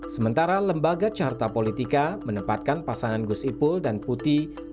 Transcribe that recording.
sementara lembaga carta politika menempatkan pasangan gus ipul dan putih